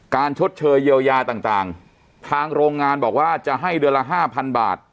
ชดเชยเยียวยาต่างทางโรงงานบอกว่าจะให้เดือนละห้าพันบาท